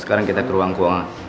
sekarang kita ke ruang keuangan